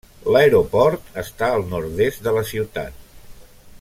L'aeroport està al nord-est de la ciutat.